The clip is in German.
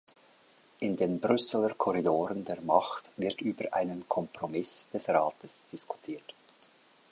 In den Brüsseler Korridoren der Macht wird über einen Kompromiss des Rates diskutiert.